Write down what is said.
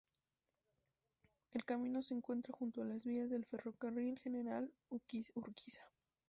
El camino se encuentra junto a las vías del Ferrocarril General Urquiza.